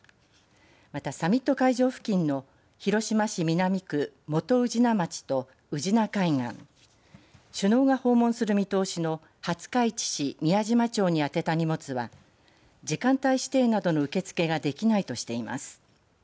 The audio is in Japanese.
また、サミット会場付近の広島市南区本宇品町と宇品海岸首脳が訪問する見通しの廿日市市宮島町に宛てた荷物は時間帯指定などの受け付けができないとしています。